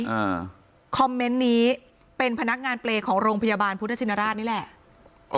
อ่าคอมเมนต์นี้เป็นพนักงานเปรย์ของโรงพยาบาลพุทธชินราชนี่แหละ